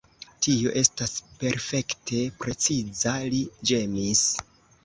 Tio estas perfekte preciza, li ĝemis.